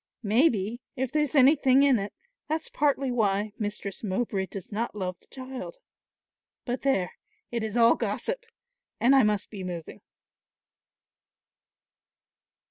Maybe, if there's anything in it, that's partly why Mistress Mowbray does not love the child. But there, it is all gossip, and I must be moving."